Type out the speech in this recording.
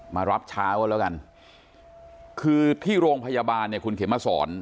มารับเช้ากันแล้วกันคือที่โรงพยาบาลเนี่ยคุณเขมมาสอน